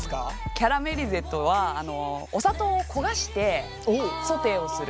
キャラメリゼとはお砂糖を焦がしてソテーをする。